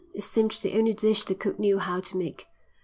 It seemed the only dish the cook knew how to make.